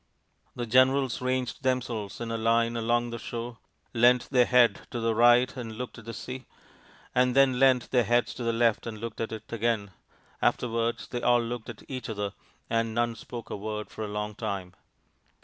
The generals ranged themselves in a line along the shore, leant their heads to the right and looked at the sea, and then leant their heads to the left and looked at it again ; afterwards they all looked at each other and none spoke a word for a long time.